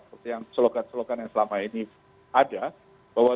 seperti yang slogan slogan yang selama ini ada bahwa